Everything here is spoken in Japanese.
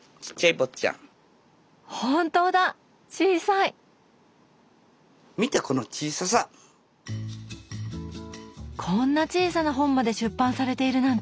こんな小さな本まで出版されているなんて！